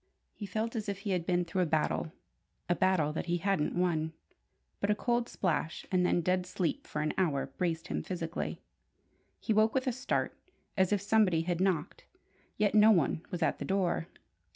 He felt as if he had been through a battle a battle that he hadn't won. But a cold splash, and then dead sleep for an hour, braced him physically. He woke with a start, as if somebody had knocked; yet no one was at the door.